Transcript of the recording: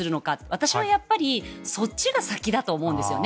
私はそっちが先だと思うんですよね。